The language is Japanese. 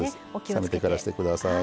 冷めてからしてください。